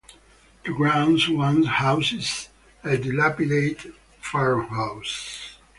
The grounds once housed a dilapidated farmhouse.